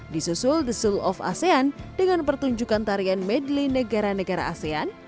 disusul the soul of asean dengan pertunjukan tarian medley negara negara asean